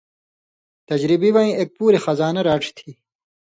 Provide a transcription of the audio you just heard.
تجربی وَیں ایک پُوریۡ خزانہ راڇھیۡ تھی۔